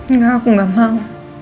enggak aku gak mau